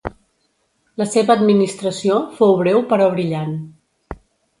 La seva administració fou breu però brillant.